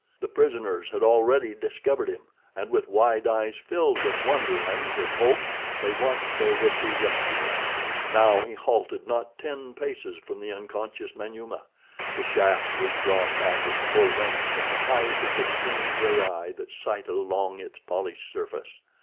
The prisoners had already discovered him, and with wide eyes filled with wonder and with hope they watched their would be rescuer. Now he halted not ten paces from the unconscious Manyuema. The shaft was drawn back its full length at the height of the keen gray eye that sighted along its polished surface.